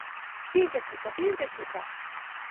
Bir dakika, bir dakika.